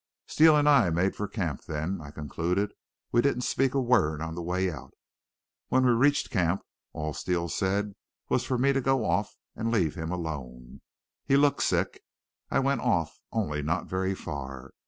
"Steele and I made for camp then," I concluded. "We didn't speak a word on the way out. When we reached camp all Steele said was for me to go off and leave him alone. He looked sick. I went off, only not very far.